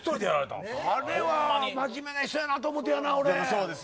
あれは真面目な人やなと思ってな俺。